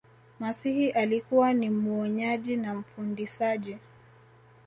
masihi alikuwa ni muonyaji na mfundisaji